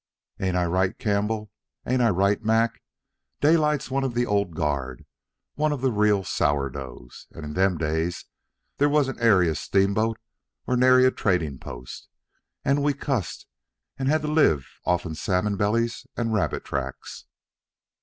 "Ain't I right, Campbell? Ain't I right, Mac? Daylight's one of the old guard, one of the real sour doughs. And in them days they wa'n't ary a steamboat or ary a trading post, and we cusses had to live offen salmon bellies and rabbit tracks."